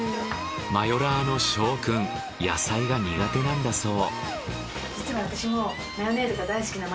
マヨラーの翔くん野菜が苦手なんだそう。